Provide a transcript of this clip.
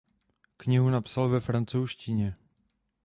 Knihu napsal ve francouzštině.